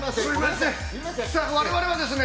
さあ我々はですね